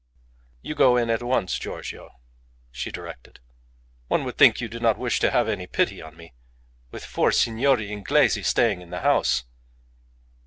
"You go in at once, Giorgio," she directed. "One would think you do not wish to have any pity on me with four Signori Inglesi staying in the house."